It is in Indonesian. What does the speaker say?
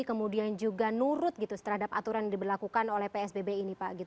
kemudian juga nurut gitu terhadap aturan yang diberlakukan oleh psbb ini pak